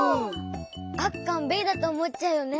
あっかんべえだとおもっちゃうよね。